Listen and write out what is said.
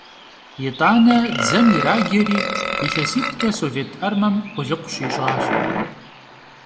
Yit'ane dzem yiraceri, yilhesit'ç'e sovêt armem khulıkhu şiş'aş.